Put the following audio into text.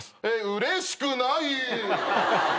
うれしくない！